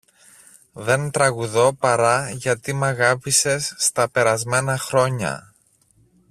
Δεν τραγουδώ παρά γιατί μ’ αγάπησες στα περασμένα χρόνια.